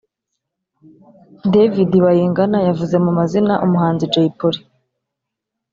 David Bayingana yavuze mu mazina umuhanzi Jay Polly